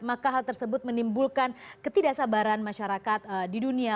maka hal tersebut menimbulkan ketidaksabaran masyarakat di dunia